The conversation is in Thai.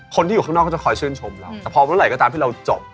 คนที่อยู่ข้างนอกก็จะคอยชื่นชมเราแต่พอเมื่อไหร่ก็ตามที่เราจบ